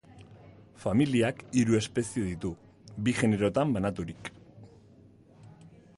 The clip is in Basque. Familiak hiru espezie ditu, bi generotan banaturik.